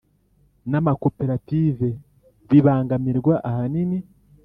N amakoperative bibangamirwa ahanini